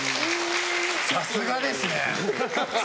さすがですね！